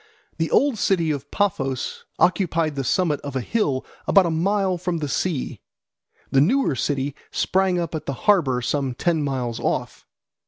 The old city of Paphos occupied the summit of a hill about a mile from the sea; the newer city sprang up at the harbour some ten miles off.